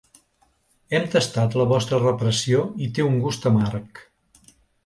Hem tastat la vostra repressió i té un gust amarg.